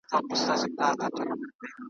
ګوزاره دي په دې لږو پیسو کیږي؟ .